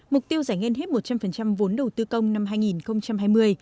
mục tiêu giải ngân hết một trăm linh vốn đầu tư công năm hai nghìn hai mươi